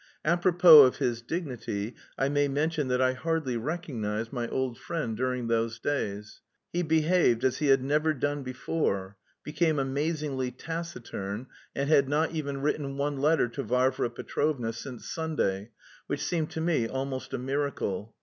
Apropos of his dignity, I may mention that I hardly recognised my old friend during those days. He behaved as he had never done before; became amazingly taciturn and had not even written one letter to Varvara Petrovna since Sunday, which seemed to me almost a miracle.